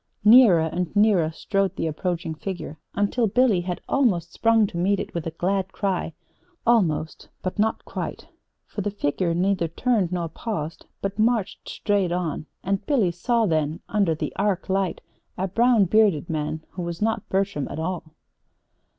Nearer and nearer strode the approaching figure until Billy had almost sprung to meet it with a glad cry almost, but not quite; for the figure neither turned nor paused, but marched straight on and Billy saw then, under the arc light, a brown bearded man who was not Bertram at all.